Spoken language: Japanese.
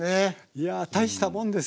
いやたいしたもんです。